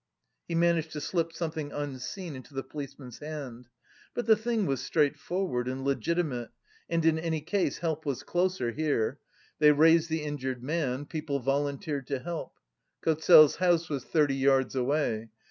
He managed to slip something unseen into the policeman's hand. But the thing was straightforward and legitimate, and in any case help was closer here. They raised the injured man; people volunteered to help. Kozel's house was thirty yards away.